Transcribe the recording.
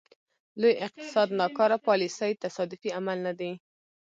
لوی اقتصاد ناکاره پالیسۍ تصادفي عمل نه دی.